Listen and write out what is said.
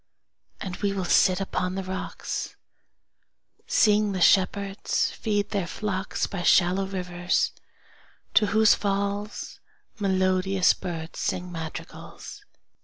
And we will sit upon the rocks, Seeing the shepherds feed their flocks, By shallow rivers to whose falls Melodious birds sing madrigals.